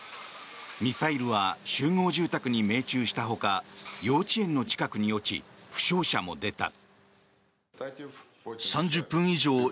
ミサイルは集合住宅に命中したほか幼稚園の近くに落ち負傷者も出た。